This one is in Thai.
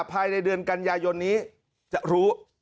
ภายในเดือนกัญญายนิจะรู้